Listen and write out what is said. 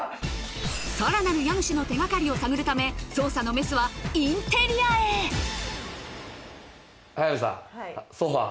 さらなる家主の手がかりを探るため捜査のメスはインテリアへ早見さん。